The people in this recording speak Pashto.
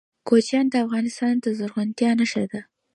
کوچیان د افغانستان د زرغونتیا نښه ده.